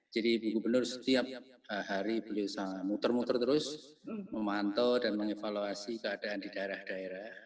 jadi ibu gubernur setiap hari beli usaha muter muter terus memantau dan mengevaluasi keadaan di daerah daerah